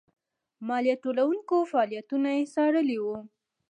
مالیه ټولوونکو فعالیتونه یې څارلي وو.